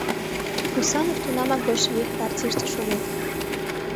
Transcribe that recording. — Русанов тунамак большевик партийыште шоген.